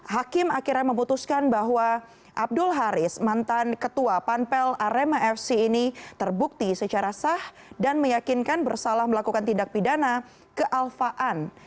hakim akhirnya memutuskan bahwa abdul haris mantan ketua panpel arema fc ini terbukti secara sah dan meyakinkan bersalah melakukan tindak pidana kealfaan